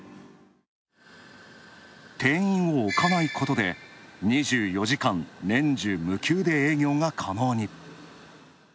定員を置かないことで、２４時間、年中無休で営業が可能に。